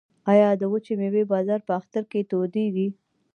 آیا د وچې میوې بازار په اختر کې تودیږي؟